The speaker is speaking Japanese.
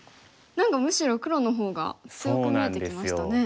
何かむしろ黒の方が強く見えてきましたね。